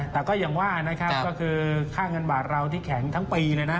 แต่ก็อย่างว่านะครับก็คือค่าเงินบาทเราที่แข็งทั้งปีเลยนะ